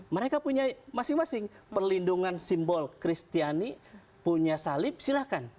mereka punya masing masing perlindungan simbol kristiani punya salib silahkan